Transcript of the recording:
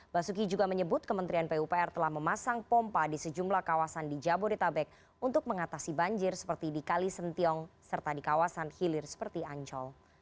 basuki juga menyebut kementerian pupr telah memasang pompa di sejumlah kawasan di jabodetabek untuk mengatasi banjir seperti di kalisentiong serta di kawasan hilir seperti ancol